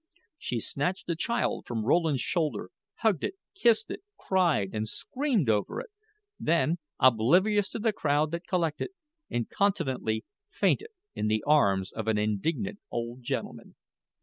She snatched the child from Rowland's shoulder, hugged it, kissed it, cried, and screamed over it; then, oblivious to the crowd that collected, incontinently fainted in the arms of an indignant old gentleman.